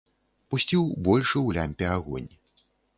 Пусціў большы ў лямпе агонь.